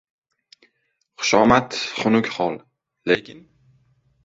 Xushomad — xunuk hol; lekin